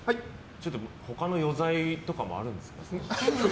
他の余罪とかもあるんですか？